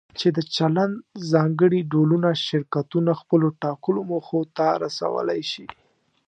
چې د چلند ځانګړي ډولونه شرکتونه خپلو ټاکلو موخو ته رسولی شي.